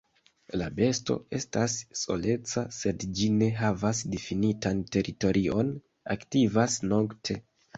La besto estas soleca, sed ĝi ne havas difinitan teritorion, aktivas nokte.